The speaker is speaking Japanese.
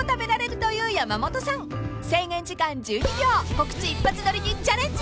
［告知一発撮りにチャレンジ］